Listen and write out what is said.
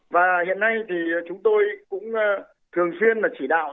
và hiện nay thì chúng tôi cũng thường xuyên là chỉ đạo